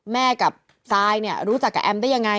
แม่กับซายเนี่ยรู้จักกับแอมได้ยังไง